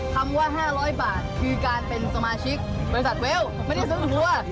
คำว่า๕๐๐บาทคือการเป็นสมาชิกบริษัทเวลไม่ได้ซื้อทัว